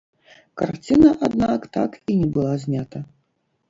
Карціна, аднак, так і не была знята.